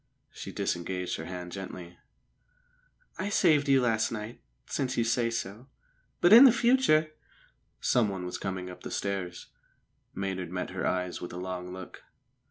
She disengaged her hand gently. "I saved you last night since you say so. But in future " Someone was coming up the stairs. Maynard met her eyes with a long look.